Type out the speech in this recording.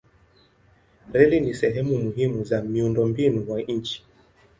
Reli ni sehemu muhimu za miundombinu wa nchi.